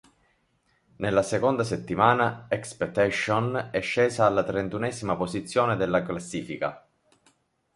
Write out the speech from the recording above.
Nella seconda settimana, "Expectations" è scesa alla trentunesima posizione nella classifica.